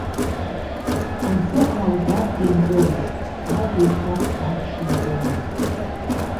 Аӡы аалгар, инҵәомызт, ажә лхьар, ахш нҵәомызт.